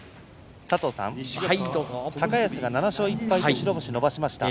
高安が７勝１敗と白星を伸ばしました。